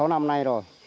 năm sáu năm nay rồi